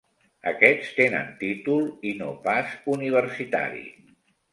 Aquests tenen títol, i no pas universitari.